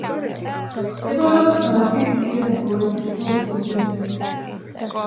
მდებარეობს ქალაქის სიხალოვეს, ბორცვზე.